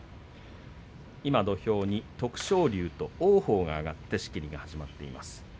土俵に徳勝龍と王鵬が上がって仕切りが始まっています。